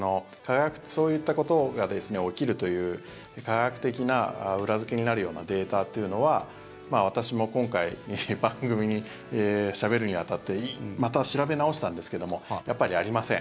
そういったことが起きるという科学的な裏付けになるようなデータというのは私も今回、番組でしゃべるに当たってまた調べ直したんですけどやっぱり、ありません。